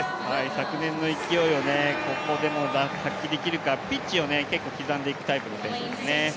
昨年の勢いをここでも発揮できるかピッチを結構刻んでいくタイプです。